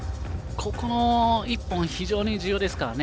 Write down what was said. ここの１本非常に重要ですからね。